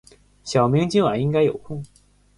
小明今晚应该有空。